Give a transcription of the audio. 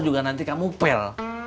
juga nanti kamu pel